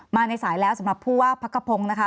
ในสายแล้วสำหรับผู้ว่าพักกระพงศ์นะคะ